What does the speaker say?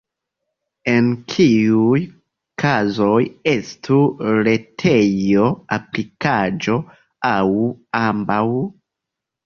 En kiuj kazoj estu retejo, aplikaĵo, aŭ ambaŭ?